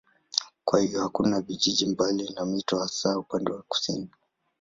Kwa hiyo hakuna vijiji mbali na mito hasa upande wa kusini.